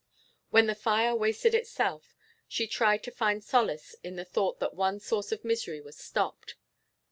When the fire wasted itself, she tried to find solace in the thought that one source of misery was stopped.